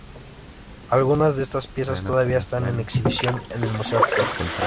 Algunas de estas piezas todavía están en exhibición en el museo actual.